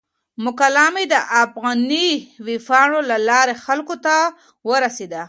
مقاله مې د افغاني ویبپاڼو له لارې خلکو ته ورسیده.